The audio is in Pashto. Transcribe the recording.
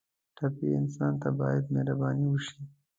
ټپي انسان ته باید مهرباني وشي.